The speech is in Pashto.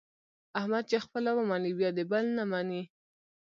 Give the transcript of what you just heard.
احمد چې خپله و مني بیا د بل نه مني.